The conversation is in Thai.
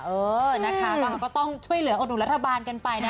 เออนะคะก็ต้องช่วยเหลืออดอุ่นรัฐบาลกันไปนะ